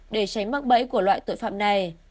để tránh mắc bẫy của loại tội phạm này